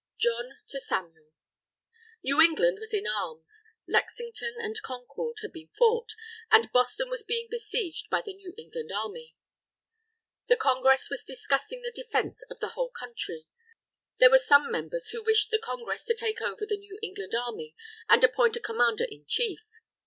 JOHN TO SAMUEL New England was in arms. Lexington and Concord had been fought, and Boston was being besieged by the New England Army. The Congress was discussing the defense of the whole Country. There were some members who wished the Congress to take over the New England Army and appoint a Commander in Chief.